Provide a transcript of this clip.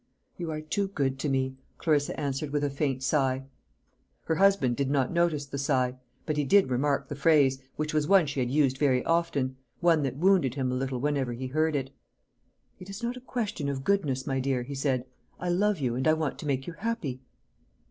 "You are too good to me," Clarissa answered with a faint sigh. Her husband did not notice the sigh; but he did remark the phrase, which was one she had used very often one that wounded him a little whenever he heard it. "It is not a question of goodness, my dear," he said. "I love you, and I want to make you happy."